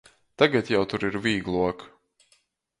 Tagad jai tur ir vīgluok.